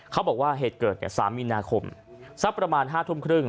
เขาบอกว่าเหตุเกิด๓มีนาคมสักประมาณ๕ทุ่มครึ่ง